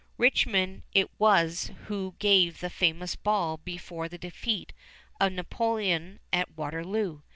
Richmond it was who gave the famous ball before the defeat of Napoleon at Waterloo.